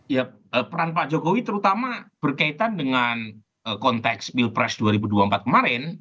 ya peran pak jokowi terutama berkaitan dengan konteks pilpres dua ribu dua puluh empat kemarin